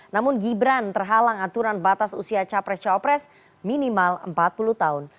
namun gibran terhalang aturan batas usia capres cawapres minimal empat puluh tahun